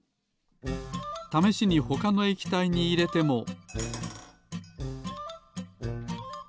ためしにほかの液体にいれても。